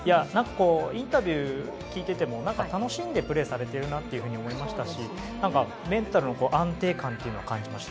インタビューを聞いてても楽しんでプレーされているなと思いましたし、メンタルの安定感を感じました。